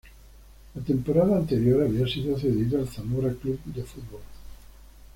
La temporada anterior había sido cedido al Zamora Club de Fútbol.